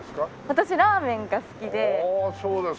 私ラーメンが好きで。